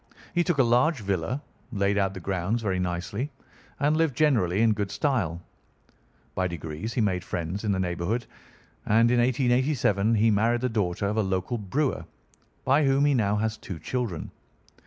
He took a large villa, laid out the grounds very nicely, and lived generally in good style. By degrees he made friends in the neighbourhood, and in 1887 he married the daughter of a local brewer, by whom he now has two children.